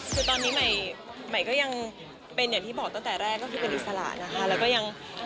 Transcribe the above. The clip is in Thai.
คือตอนนี้ใหม่ก็ยังเป็นอย่างที่บอกตั้งแต่แรกก็คือเป็นอิสระนะคะแล้วก็ยัง